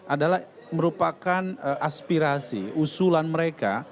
adalah merupakan aspirasi usulan mereka